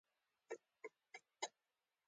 د اوقافو وزارت حکومتي پروګرام دی.